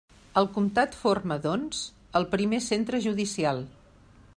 El comtat forma, doncs, el primer centre judicial.